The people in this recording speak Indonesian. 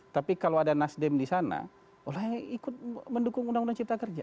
tapi kalau ada nasdem di sana orang yang ikut mendukung undang undang cipta kerja